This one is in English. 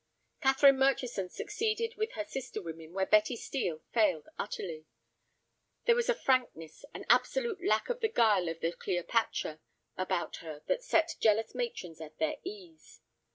Catherine Murchison succeeded with her sister women where Betty Steel failed utterly. There was a frankness, an absolute lack of the guile of the Cleopatra, about her that set jealous matrons at their ease.